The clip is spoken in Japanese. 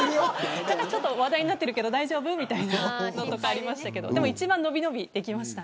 話題になってるけど大丈夫みたいなのありましたけど一番のびのびできました。